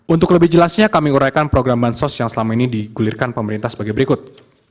untuk lebih jelasnya kami uraikan program bansos yang selama ini digulirkan pemerintah sebagai berikut